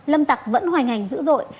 lâm tặc vẫn hoành hành dữ dội